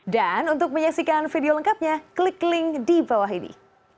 dan untuk menyaksikan video lengkapnya klik link di bawah ini